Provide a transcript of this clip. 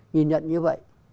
nhìn nhận như vậy